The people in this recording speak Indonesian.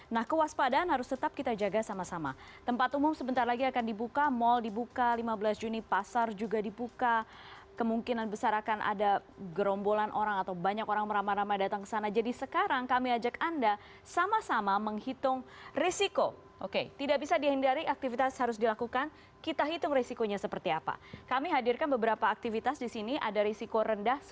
nah kemudian kegiatan berbelanja juga termasuk kegiatan yang beresiko rendah